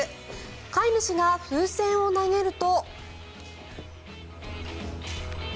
飼い主が風船を投げると。